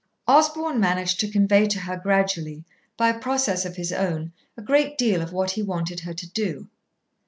Osborn managed to convey to her gradually, by a process of his own, a great deal of what he wanted her to do.